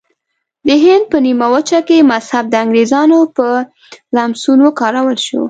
د هند په نیمه وچه کې مذهب د انګریزانو په لمسون وکارول شو.